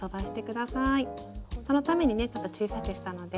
そのためにねちょっと小さくしたので。